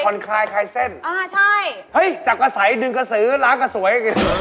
คอนไครคายเซ่นจับก็สัยดึงก็สื้อล้างก็สวย